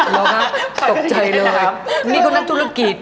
หรอครับตกใจเลยนะครับนี่คนนั้นธุรกิจ